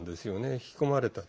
引き込まれた。